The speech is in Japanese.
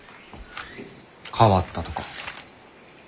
変わったとか。